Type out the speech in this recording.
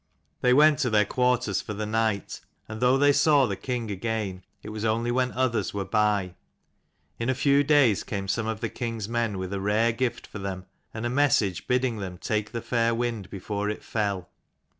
They went to their quarters for the night, and though they saw the king again it was only when others were by. In a few days came some of the king's men with a rare gift for them, and a message bidding them take the fair wind before it fell.